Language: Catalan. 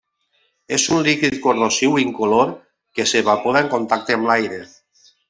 És un líquid corrosiu i incolor que s'evapora en contacte amb l'aire.